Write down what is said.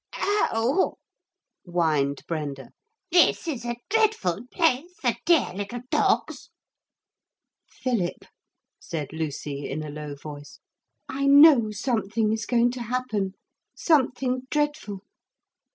'Oh!' whined Brenda; 'this is a dreadful place for dear little dogs!' 'Philip!' said Lucy in a low voice, 'I know something is going to happen. Something dreadful.